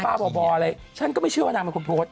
ต่อให้บ้าบ่อเลยฉันก็ไม่เชื่อว่านางเป็นคนโพธิ์